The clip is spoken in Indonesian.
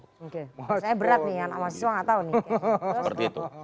oke sebenarnya berat nih anak mahasiswa